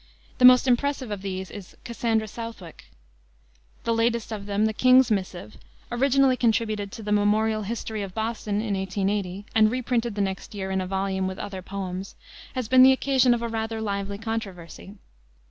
The most impressive of these is Cassandra Southwick. The latest of them, the King's Missive, originally contributed to the Memorial History of Boston in 1880, and reprinted the next year in a volume with other poems, has been the occasion of a rather lively controversy.